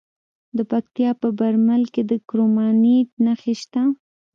د پکتیکا په برمل کې د کرومایټ نښې شته.